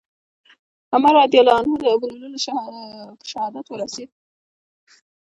عمر رضي الله عنه د ابولؤلؤ له په شهادت ورسېد.